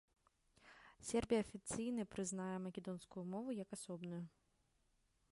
Сербія афіцыйна прызнае македонскую мову як асобную.